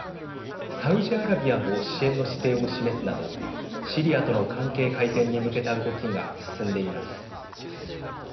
サウジアラビアも支援の姿勢を示すなどシリアとの関係改善に向けた動きが進んでいます。